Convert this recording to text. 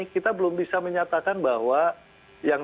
kita belum bisa menyatakan bahwa yang